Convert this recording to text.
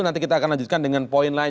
nanti kita akan lanjutkan dengan poin lain